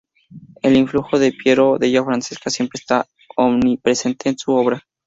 El influjo de Piero della Francesca siempre estará omnipresente en su obra.